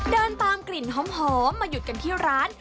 เดินตามกลิ่นหอมมาหยุดกันที่ร้าน